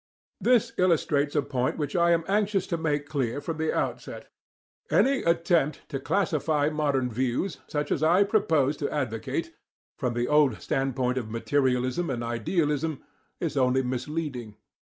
This illustrates a point which I am anxious to make clear from the outset. Any attempt to classify modern views, such as I propose to advocate, from the old standpoint of materialism and idealism, is only misleading.